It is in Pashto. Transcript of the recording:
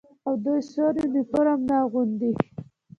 آیا دوی سور یونیفورم نه اغوندي؟